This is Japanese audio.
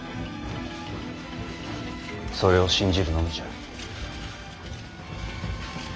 それを信じるのみじゃ。